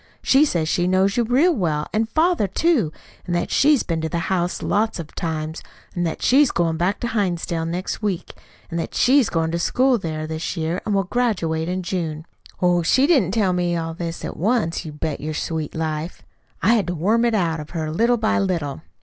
She says she knows you real well, and father, too, and that she's been to the house lots of times, and that she's going back to Hinsdale next week, and that she is going to school there this year, and will graduate in June. Oh, she didn't tell me all this at once, you bet your sweet life. I had to worm it out of her little by little.